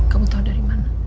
kamu tau dari mana